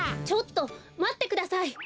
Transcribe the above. ちょっとまってください。